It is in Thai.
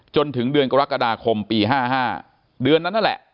จนถึงเดือนกรกฎาคมปี๕๕เดือนนั้นนั่นแหละ